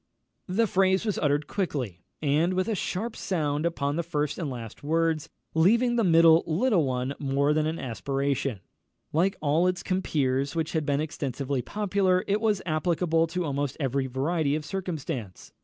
The phrase was uttered quickly, and with a sharp sound upon the first and last words, leaving the middle one little more than an aspiration. Like all its compeers which had been extensively popular, it was applicable to almost every variety of circumstance.